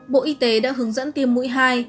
bộ y tế đã hướng dẫn tiêm mũi hai